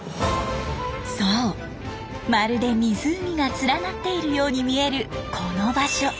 そうまるで湖が連なっているように見えるこの場所。